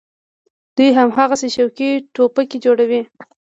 دوى هماغسې شوقي ټوپکې جوړوي.